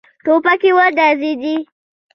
ټوپکې وډزېدې.